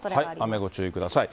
雨ご注意ください。